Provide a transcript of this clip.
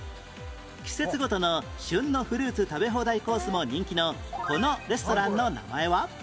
季節ごとの旬のフルーツ食べ放題コースも人気のこのレストランの名前は？